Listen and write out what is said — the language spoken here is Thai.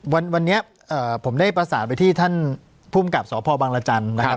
วันนี้ผมได้ประสานไปที่ท่านภูมิกับสพบังรจันทร์นะครับ